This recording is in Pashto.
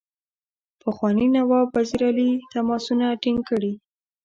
پخواني نواب وزیر علي تماسونه ټینګ کړي.